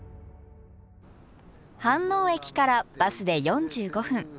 飯能駅からバスで４５分。